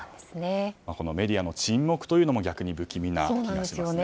メディアの沈黙も逆に不気味な気がします。